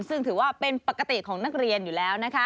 ซึ่งถือว่าเป็นปกติคุณตาการเรียนอยู่แล้ว